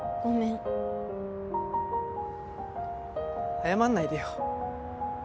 謝らないでよ。